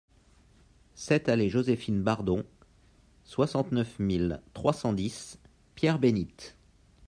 sept allée Joséphine Bardon, soixante-neuf mille trois cent dix Pierre-Bénite